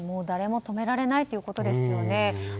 誰も止められないということですよね。